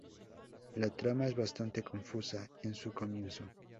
La trama es bastante confusa en su comienzo.